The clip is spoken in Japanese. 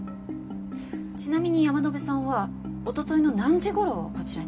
ちなみに山野辺さんは一昨日の何時頃こちらに？